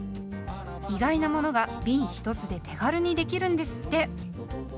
意外なものがびん１つで手軽にできるんですって。